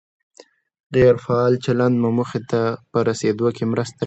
غیر فعال چلند مو موخې ته په رسېدو کې مرسته نه کوي.